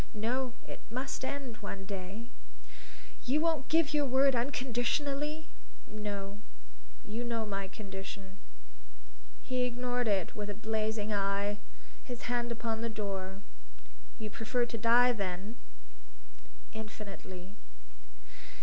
"No; it must end one day." "You won't give your word unconditionally?" "No; you know my condition." He ignored it with a blazing eye, his hand upon the door. "You prefer to die, then?" "Infinitely."